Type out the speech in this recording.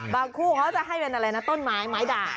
คู่เขาจะให้เป็นอะไรนะต้นไม้ไม้ด่าง